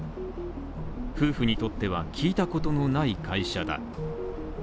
夫婦にとっては聞いたことのない会社だ。